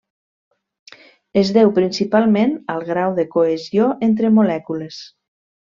Es deu principalment al grau de cohesió entre molècules.